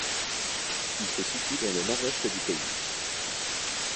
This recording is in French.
Il se situe dans le nord-ouest du pays.